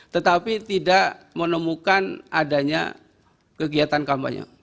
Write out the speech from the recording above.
tetapi tidak menemukan adanya kegiatan kampanye